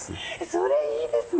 それいいですね！